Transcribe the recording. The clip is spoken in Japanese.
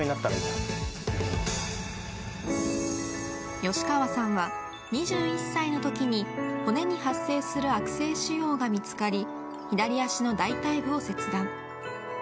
吉川さんは２１歳のとき骨に発生する悪性腫瘍が見つかり左足の大腿部を切断。